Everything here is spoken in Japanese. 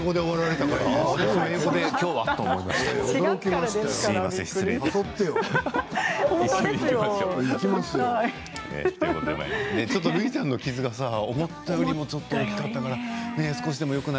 るいちゃんの傷は思ったよりもちょっと大きかったかな。